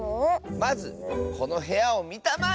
まずこのへやをみたまえ！